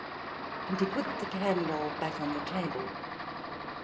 And he put the candle back on the table.